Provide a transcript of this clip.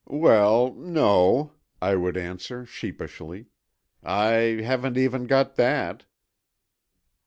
"'Well, no,' I would answer sheepishly, 'I haven't even got that.'